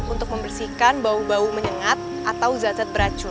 untuk membersihkan bau bau menyengat atau zat zat beracun